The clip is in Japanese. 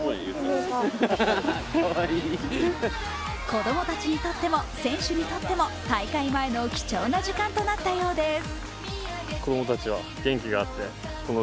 子供たちにとっても選手にとっても大会前の貴重な時間となったようです。